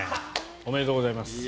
おめでとうございます。